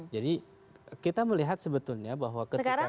jadi kita melihat sebetulnya bahwa ketika